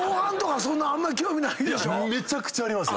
めちゃくちゃありますよ。